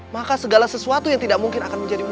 maka segala sesuatu yang tidak mungkin akan menjadi